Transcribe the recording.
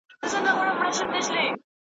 چي هغه وخت ئې نظامنامه بلل